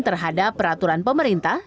terhadap peraturan pemerintah